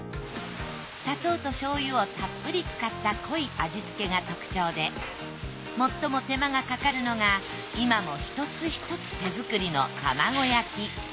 砂糖と醤油をたっぷり使った濃い味付けが特徴で最も手間がかかるのが今も一つ一つ手作りの玉子焼き。